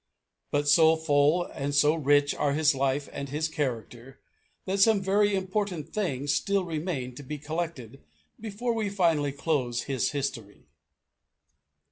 But so full and so rich are his life and his character, that some very important things still remain to be collected before we finally close his history.